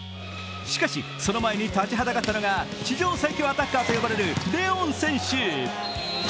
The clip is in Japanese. しかし、その前に立ちはだかったのが地上最強アタッカーと呼ばれるレオン選手。